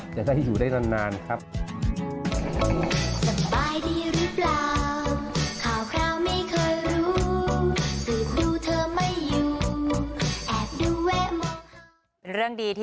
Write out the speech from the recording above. เจ้า๖๐แต่ว่ายังหล่อฟื้น